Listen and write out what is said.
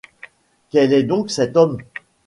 Quel est donc cet homme ?